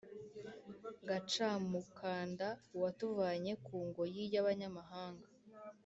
Gacamukanda: uwatuvanye ku ngoyi (y’abanyamahanga).